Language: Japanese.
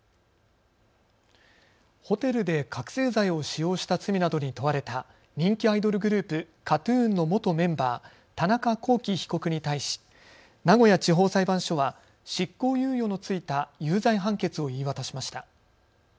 ホテルで覚醒剤を使用した罪などに問われた人気アイドルグループ、ＫＡＴ−ＴＵＮの元メンバー、田中聖被告に対し名古屋地方裁判所は執行猶予の付いた有罪判決を言い渡しました。